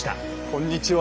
こんにちは。